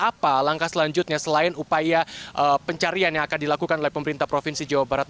apa langkah selanjutnya selain upaya pencarian yang akan dilakukan oleh pemerintah provinsi jawa barat